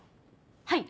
はい。